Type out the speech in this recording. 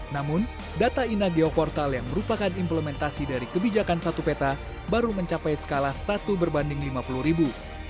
namun data ina geoportal yang merupakan implementasi dari kebijakan satu peta baru mencapai skala satu berbanding lima puluh ribu